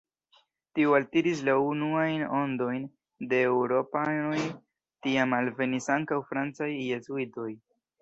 Tio altiris la unuajn ondojn de eŭropanoj, tiam alvenis ankaŭ francaj jezuitoj.